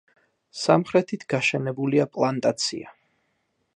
სამხრეთით გაშენებულია პლანტაცია.